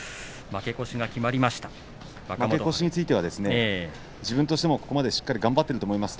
負け越しについては自分としてもここまでしっかり頑張っていると思います